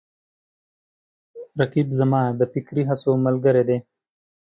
رقیب زما د فکري هڅو ملګری دی